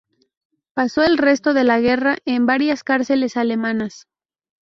Pasó el resto de la guerra en varias cárceles alemanas.